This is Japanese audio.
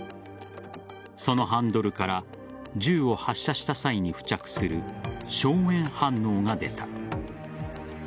そのハンドルから銃を発射した際に付着する硝煙反応が出た。